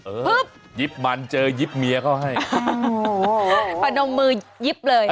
อือยิบมันเจอยิบเมียเข้าให้มันอมมือยิบเลย